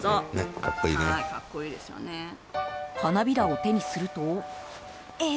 花びらを手にするとえっ！